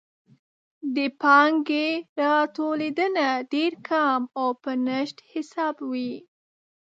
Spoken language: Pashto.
د پانګې راټولیدنه ډېر کم او په نشت حساب وي.